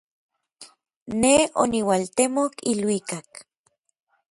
Nej oniualtemok iluikak.